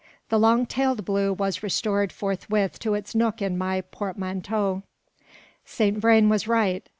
The long tailed blue was restored forthwith to its nook in my portmanteau. Saint Vrain was right.